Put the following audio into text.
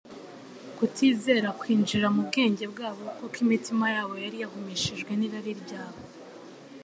Kutizera kwinjira mu bwenge bwabo kuko imitima yabo yari yahumishijwe n'irari ryabo.